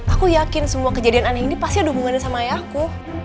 aku yakin semua kejadian aneh ini pasti ada hubungannya sama ayahku